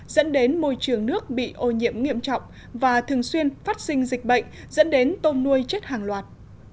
dẫn đến môi trường nước bị ô nhiễm nghiêm trọng và thường xuyên phát sinh dịch bệnh dẫn đến tôm nuôi chết hàng loạt